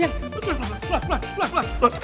tunggu tunggu tunggu tunggu